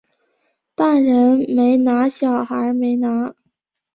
大人没拿小孩没拿